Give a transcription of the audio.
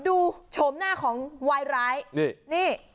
ดูโฉมหน้าของวายร้ายนี้